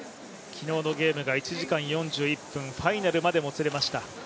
昨日のゲームが１時間４１分ファイナルまでもつれました。